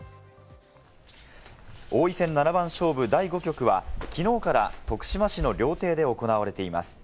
王位戦七番勝負第５局はきのうから徳島市の料亭で行われています。